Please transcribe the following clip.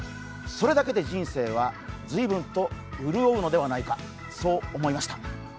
それだけで人生は随分と潤うのではないか、そう思いました